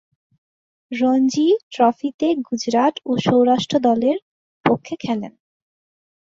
রঞ্জী ট্রফিতে গুজরাত ও সৌরাষ্ট্র দলের পক্ষে খেলেন।